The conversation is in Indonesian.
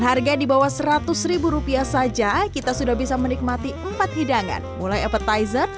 harga di bawah seratus ribu rupiah saja kita sudah bisa menikmati empat hidangan mulai appetizer